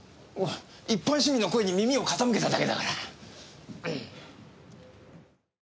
一般市民の声に耳を傾けただけだから。